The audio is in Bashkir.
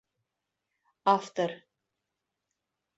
Автор.